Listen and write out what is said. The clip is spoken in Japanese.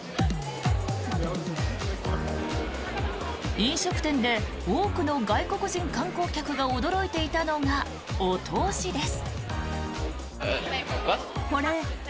飲食店で多くの外国人観光客が驚いていたのが、お通しです。